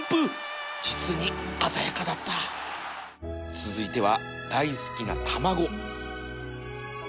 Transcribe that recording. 続いては大好きな卵